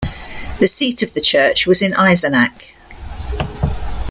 The seat of the church was in Eisenach.